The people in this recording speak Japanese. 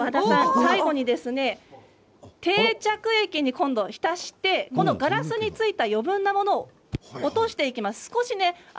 最後に定着液に浸してガラスについた余分なものを落としていきます。